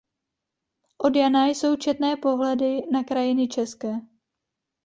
Od Jana jsou četné pohledy na krajiny české.